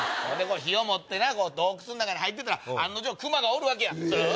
火を持って洞窟入ってったら案の定熊がおるわけや。